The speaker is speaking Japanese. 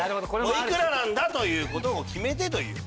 いくらなんだという事を決めてという。